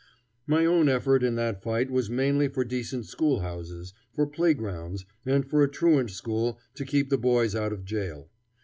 ] My own effort in that fight was mainly for decent schoolhouses, for playgrounds, and for a truant school to keep the boys out of jail.